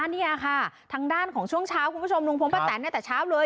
อ๋ออันนี้ค่ะทางด้านของช่วงเช้าคุณผู้ชมนุงพร้อมประแตรเนี่ยแต่เช้าเลย